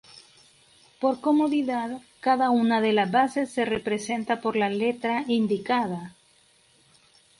Por comodidad, cada una de las bases se representa por la letra indicada.